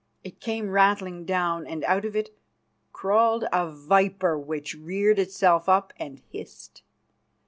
It came rattling down, and out of it crawled a viper, which reared itself up and hissed.